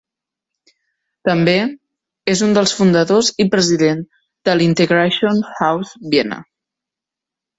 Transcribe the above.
També és un dels fundadors i president de l'Integration House Viena.